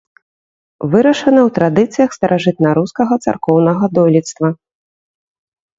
Вырашана ў традыцыях старажытнарускага царкоўнага дойлідства.